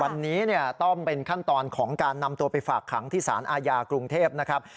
วันนี้เนี่ยต้องเป็นขั้นตอนของการนำตัวไปฝากขังที่สารอาญากรุงเทพนะครับ